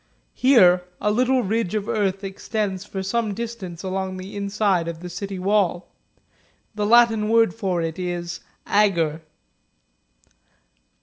Here a little ridge of earth extends for some distance along the inside of the city wall ; the Latin word for it is "agger."